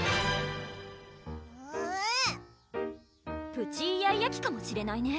プチいやいや期かもしれないね